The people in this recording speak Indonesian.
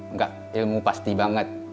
enggak ilmu pasti banget